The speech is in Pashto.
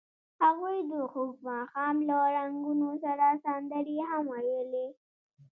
هغوی د خوږ ماښام له رنګونو سره سندرې هم ویلې.